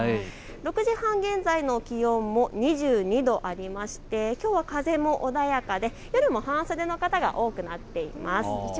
６時半現在の気温も２２度あってきょうは風も穏やかで夜も半袖の方が多くなっています。